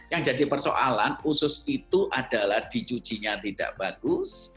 yang jadi persoalan usus itu adalah dicucinya tidak bagus